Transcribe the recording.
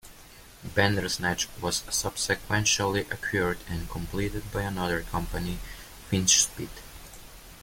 "Bandersnatch" was subsequently acquired and completed by another company, "Finchspeed".